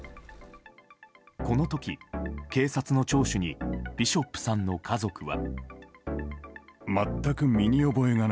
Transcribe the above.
この時、警察の聴取にビショップさんの家族は。